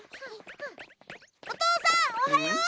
お父さんおはよう！